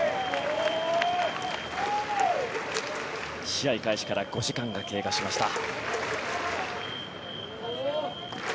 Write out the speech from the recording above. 試合開始から５時間が経過しました。